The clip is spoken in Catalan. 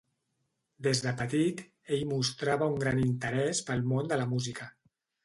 Des de petit, ell mostrava un gran interès pel món de la música.